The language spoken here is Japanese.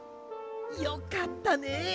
よかったね！